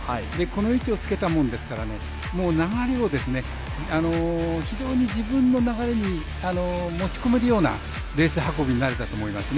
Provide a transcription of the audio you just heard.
この位置をつけたものですから流れを非常に自分の流れにもち込めるようなレース運びになれたと思います。